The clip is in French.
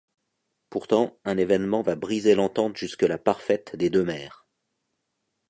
Pourtant, un événement va briser l'entente jusque-là parfaite des deux mères.